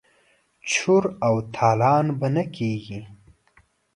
چور او تالان به نه کیږي.